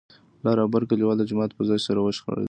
لر او بر کليوال د جومات پر ځای سره وشخړېدل.